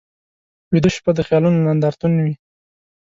ویده شپه د خیالونو نندارتون وي